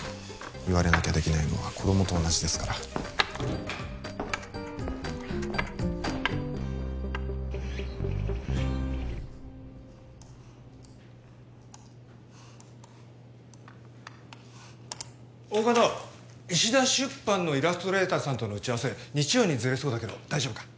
言われなきゃできないのは子供と同じですから大加戸石田出版のイラストレーターさんとの打ち合わせ日曜にズレそうだけど大丈夫か？